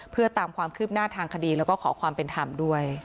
เพื่อตามความคืบหน้าทางคดีแล้วก็ขอความเป็นธรรมด้วย